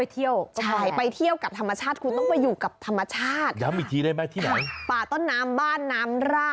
สวยมากใส่เหมือนไหม